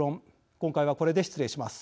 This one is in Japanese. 今回は、これで失礼します。